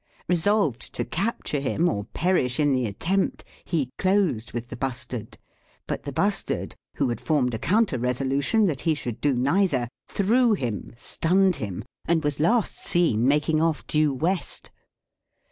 Resolved to capture him or perish in the attempt, he closed with the bustard; but the bustard, who had formed a counter resolution that he should do neither, threw him, stunned him, and was last seen making off due west.